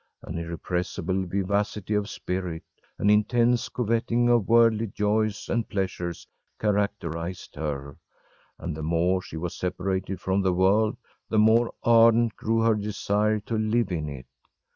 An irrepressible vivacity of spirit, an intense coveting of worldly joys and pleasures characterized her, and the more she was separated from the world the more ardent grew her desire to live in it.